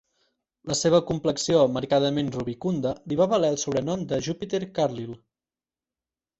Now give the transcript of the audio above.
La seva complexió marcadament rubicunda li va valer el sobrenom de Jupiter Carlyle.